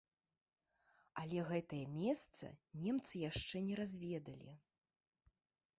Але гэтае месца немцы яшчэ не разведалі.